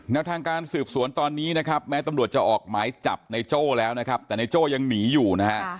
ทางการสืบสวนตอนนี้นะครับแม้ตำรวจจะออกหมายจับในโจ้แล้วนะครับแต่ในโจ้ยังหนีอยู่นะฮะ